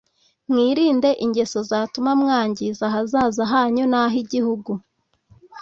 mwirinde ingeso zatuma mwangiza ahazaza hanyu n’ah’igihugu